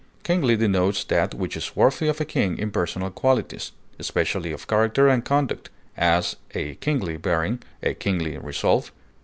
Kingly denotes that which is worthy of a king in personal qualities, especially of character and conduct; as, a kingly bearing; a kingly resolve.